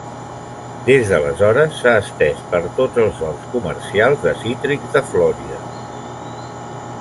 Des d'aleshores s'ha estès per tots els horts comercials de cítrics de Florida.